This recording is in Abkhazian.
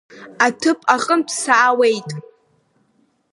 Аҭыԥ аҟынтә саауеит.